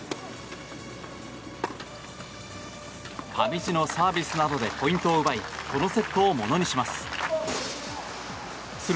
上地のサービスなどでポイントを奪いこのセットをものにします。